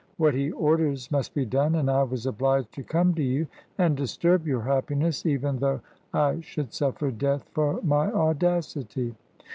What he orders must be done; and I was obliged to come to you and disturb your happiness, even though I should sufTer death for my audacity."